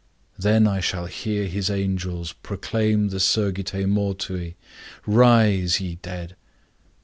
Then I shall hear his angels proclaim the Surgite mortui, Rise, ye dead.